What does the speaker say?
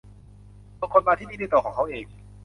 บางคนมาที่นี่ด้วยตัวของเค้าเอง